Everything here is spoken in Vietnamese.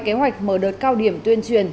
kế hoạch mở đợt cao điểm tuyên truyền